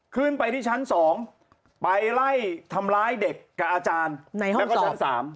ขึ้นไปที่ชั้น๒ไปไล่ทำร้ายเด็กกับอาจารย์แล้วก็ชั้น๓